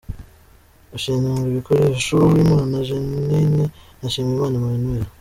Ushinzwe ibikoresho: Uwimana Jeannine na Nshimiyimana Emmanuel.